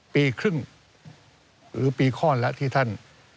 ปีครึ่งหรือปีข้อนแล้วที่ท่าน